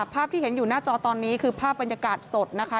ภาพที่เห็นอยู่หน้าจอตอนนี้คือภาพบรรยากาศสดนะคะ